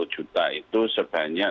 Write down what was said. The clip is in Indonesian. empat puluh juta itu sebanyak